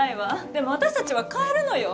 でも私たちは買えるのよ。